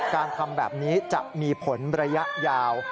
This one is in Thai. การทำแบบนี้จะมีผลระยะยาว